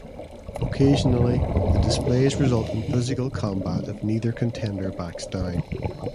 Occasionally, the displays result in physical combat if neither contender backs down.